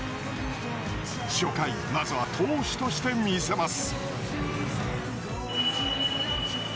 初回まずは投手として見せます。